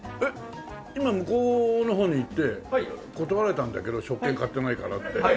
今向こうの方に行って断られたんだけど食券買ってないからって。